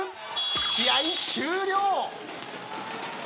試合終了。